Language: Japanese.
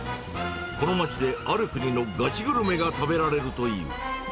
この街である国のガチグルメが食べられるという。